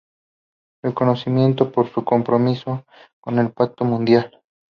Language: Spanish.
Reconocimiento por su compromiso con el Pacto Mundial.